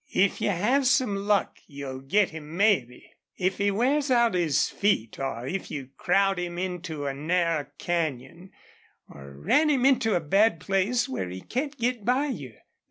"If you have some luck you'll get him mebbe. If he wears out his feet, or if you crowd him into a narrow canyon, or ran him into a bad place where he can't get by you.